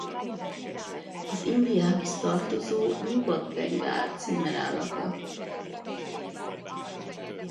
Az Indiához tartozó Nyugat-Bengál címerállata.